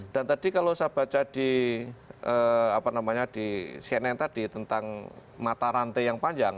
dan tadi kalau saya baca di cnn tadi tentang mata rantai yang panjang